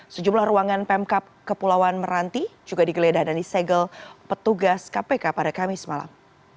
sejumlah ruangan pemkap kepulauan meranti juga digeledah dan disegel petugas kpk pada kamis malam